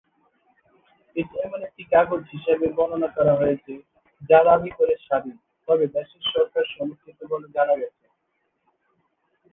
এটি এমন একটি কাগজ হিসাবে বর্ণনা করা হয়েছে, যা দাবি করে স্বাধীন, তবে দেশের সরকার সমর্থিত বলে জানা গেছে।